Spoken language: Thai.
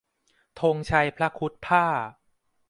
ธงชัยพระครุฑพ่าห์